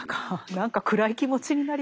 何か暗い気持ちになりましたね。